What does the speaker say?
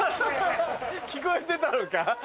聞こえてたのか？